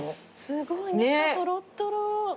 すごい中とろっとろ。